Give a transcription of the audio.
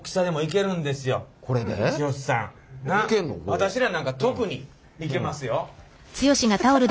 私らなんか特にいけますよ。